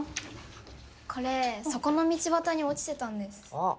これそこの道端に落ちてたんですあっ